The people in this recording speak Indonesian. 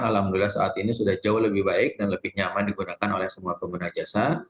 alhamdulillah saat ini sudah jauh lebih baik dan lebih nyaman digunakan oleh semua pengguna jasa